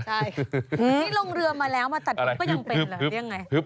นี่ลงเรือมาแล้วมาตัดกลุ่มก็ยังเป็นหรือ